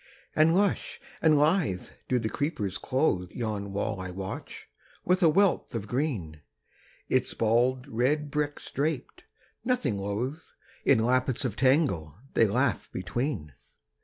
And lush and lithe do the creepers clothe Yon wall I watch, with a wealth of green: Its bald red bricks draped, nothing loath, In lappets of tangle they laugh between.